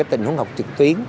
tình huống học trực tuyến